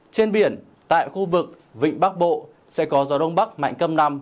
trên biển tại khu vực vịnh bắc bộ sẽ có gió đông bắc mạnh cấp năm